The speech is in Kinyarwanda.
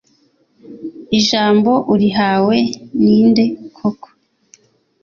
ijambo urihawe ninde koko